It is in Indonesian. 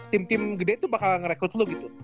tim tim gede itu bakal ngerecord lu gitu